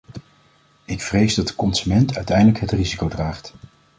Ik vrees dat de consument uiteindelijk het risico draagt.